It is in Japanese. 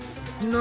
何？